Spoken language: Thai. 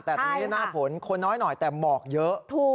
แต่ตรงนี้หน้าฝนคนน้อยหน่อยแต่หมอกเยอะ